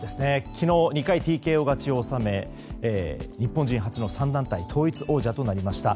昨日２回ＴＫＯ勝ちを収め日本人初の３団体統一王者となりました。